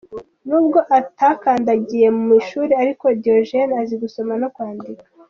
N'ubwo atakandagiye mu ishuri ariko Diogene azi gusoma no kwandika.